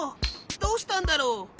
どうしたんだろう？